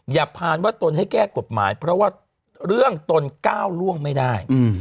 อย่าผ่านว่าตนให้แก้กฎหมายเพราะว่าเรื่องตนก้าวล่วงไม่ได้